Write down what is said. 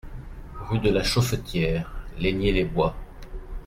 Rue de la Chauffetiere, Leigné-les-Bois